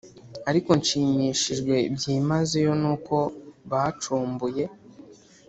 ariko nshimishijwe byimazeyo nuko bacumbuye.